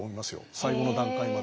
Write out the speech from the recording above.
最後の段階まで。